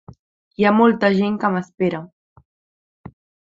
Hi ha molta gent que m’espera.